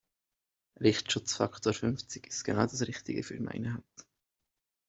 Lichtschutzfaktor fünfzig ist genau das Richtige für meine Haut.